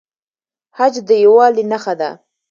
حج د یووالي نښه ده